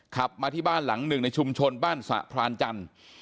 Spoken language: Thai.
ขับมาที่บ้านหลังหนึ่งในชุมชนบ้านสะพรานจันทร์